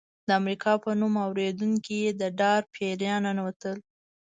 د امریکا په نوم اورېدو یې د ډار پیریان ننوتل.